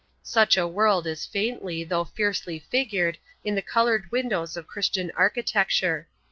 Such a world is faintly though fiercely figured in the coloured windows of Christian architecture.